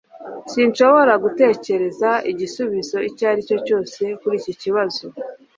Sinshobora gutekereza igisubizo icyo ari cyo cyose kuri iki kibazo